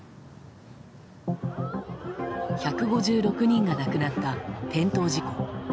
１５６人が亡くなった転倒事故。